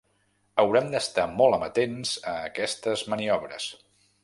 Haurem d’estar molt amatents a aquestes maniobres.